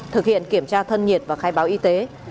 thực hiện kiểm tra thân nhiệt và khai báo y tế